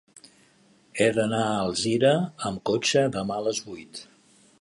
He d'anar a Alzira amb cotxe demà a les vuit.